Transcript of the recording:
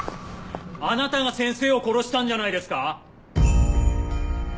あなたが先生を殺したんじゃないですか？